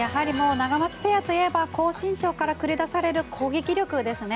ナガマツペアといえばやはり高身長から繰り出される攻撃力ですね。